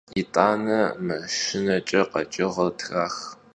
Yit'ane maşşineç'e kheç'ığer trax.